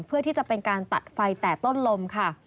เพื่อที่จะเป็นการตัดไฟแต่ต้นลมค่ะ